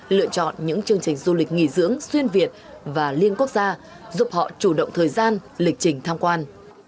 lựa chọn những chương trình du lịch nghỉ dưỡng xuyên việt và liên quốc gia giúp họ chủ động thời gian lịch trình tham quan